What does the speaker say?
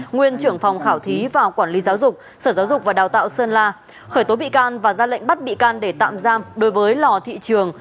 nguyên trưởng phòng khảo thí và quản lý giáo dục sở giáo dục và đào tạo sơn la khởi tố bị can và ra lệnh bắt bị can để tạm giam đối với lò thị trường